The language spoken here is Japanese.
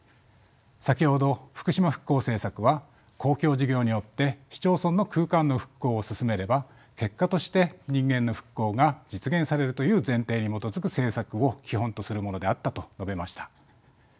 先ほど福島復興政策は公共事業によって市町村の空間の復興を進めれば結果として人間の復興が実現されるという前提に基づく政策を基本とするものであったと述べました。